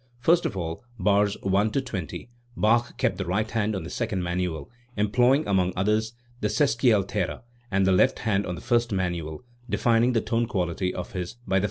First of all, bars i 20, Bach kept the right hand on the second manual, employing, among others, the sesquialtera, and the left hand on the first manual, defining the tone quality of this by the fagotto 16".